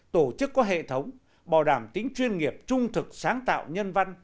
tổ chức có hệ thống bảo đảm tính chuyên nghiệp trung thực sáng tạo nhân văn